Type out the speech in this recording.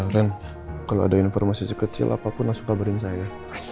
rena kalau ada informasi kecil apapun langsung kabarin saya